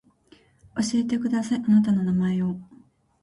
教えてくださいあなたの名前を